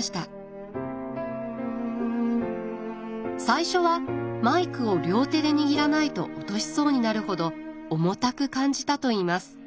最初はマイクを両手で握らないと落としそうになるほど重たく感じたといいます。